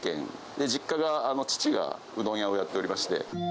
で、実家が、父がうどん屋をやっておりまして。